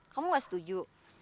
kamu nggak setuju